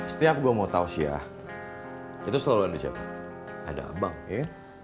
setiap gue mau tau syiah itu selalu ada siapa ada abang ya